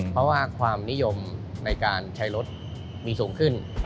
เพราะว่าความนิยมในการใช้รถมีสูงขึ้น